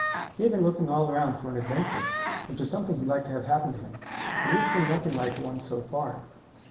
He had been looking all around for an adventure, which was something he liked to have happen to him, but he had seen nothing like one so far.